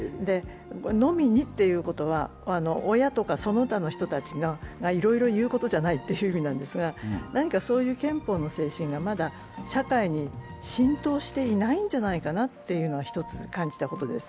のみにということは親とかその他の人たちがいろいろ言うことじゃないという意味なんですが何かそういう憲法の精神がまだ社会に浸透していないんじゃないかなというのが一つ感じたことです。